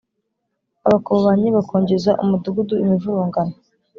abakobanyi bakongeza umudugudu imivurungano,